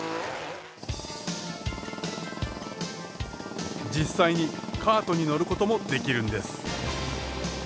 実際にカートに乗ることもできるんです。